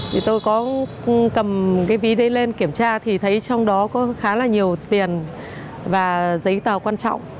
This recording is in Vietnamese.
thì tôi có cầm cái ví đấy lên kiểm tra thì thấy trong đó có khá là nhiều tiền và giấy tờ quan trọng